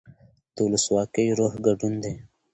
د ولسواکۍ روح ګډون دی